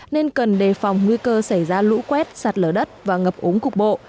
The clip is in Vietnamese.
nên cần đề phòng nguy cơ xảy ra lũ quét sạt lở đất và ngập ống cục bộ